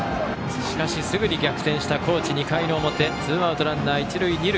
しかし、すぐに逆転した高知２回の表、ツーアウトランナー、一塁二塁。